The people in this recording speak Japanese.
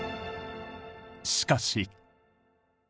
しかし。